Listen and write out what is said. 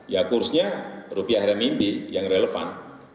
ya kursnya rupiah remimpi yang relevan